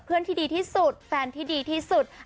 ที่ดีที่สุดแฟนที่ดีที่สุด